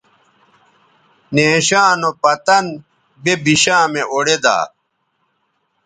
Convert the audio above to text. نیشاں نو پتن بے بشامےاوڑیدا